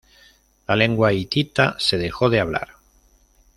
La lengua hitita se dejó de hablar.